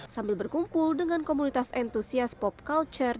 sambil berkumpul dengan komunitas entusiasme pop kalender